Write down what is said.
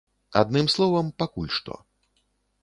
Адным словам, пакуль што.